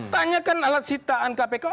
tanyakan alat sitaan kpk